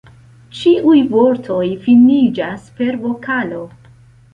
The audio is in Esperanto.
Ĉiuj vortoj finiĝas per vokalo.